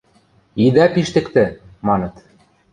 – Идӓ пиштӹктӹ! – маныт.